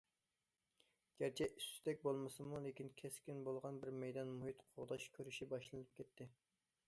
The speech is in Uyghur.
گەرچە ئىس- تۈتەك بولمىسىمۇ، لېكىن كەسكىن بولغان بىر مەيدان مۇھىت قوغداش كۈرىشى باشلىنىپ كەتتى.